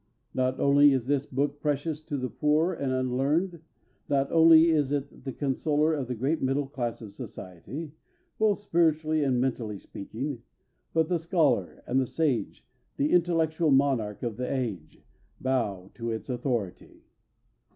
Not only is this book precious to the poor and unlearned, not only is it the consoler of the great middle class of society, both spiritually and mentally speaking, but the scholar and the sage, the intellectual monarch of the age, bow to its authority.